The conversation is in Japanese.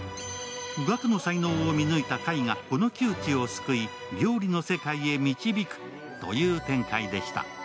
岳の才能を見抜いた海がこの窮地を救い、料理の世界へ導くという展開でした。